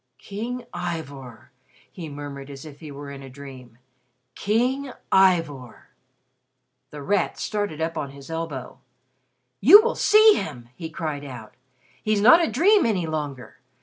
"King Ivor!" he murmured as if he were in a dream. "King Ivor!" The Rat started up on his elbow. "You will see him," he cried out. "He's not a dream any longer.